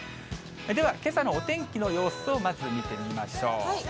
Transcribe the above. ではけさのお天気の様子をまず見てみましょう。